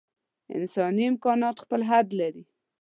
انساني امکانات خپل حد لري.